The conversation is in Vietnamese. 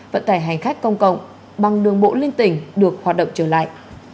vận tải hành khách công cộng bằng đường bộ liên tỉnh được hoạt động trở lại